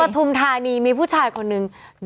ประธุมธาร์ณีมีผู้ชายคนนึง